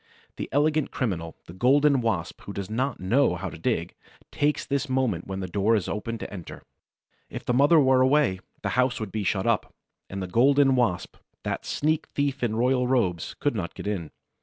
The elegant criminal, the Golden Wasp who does not know how to dig, takes this moment when the door is open to enter. If the mother were away, the house would be shut up, and the Golden Wasp, that sneak thief in royal robes, could not get in.